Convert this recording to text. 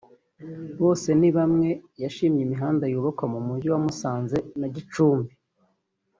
Bosenibamwe yashimye imihanda yubakwa mu mujyi wa Musanze na Gicumbi